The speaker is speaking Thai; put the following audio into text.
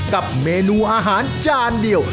กับเมนูอาหารจานเดียว